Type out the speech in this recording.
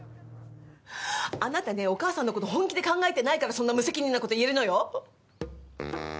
あなたね、お母さんのことを本気で考えていないからそんな無責任なことを言えるのよ。